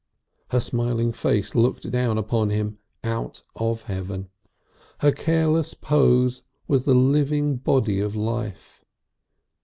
Her smiling face looked down upon him out of heaven, her careless pose was the living body of life.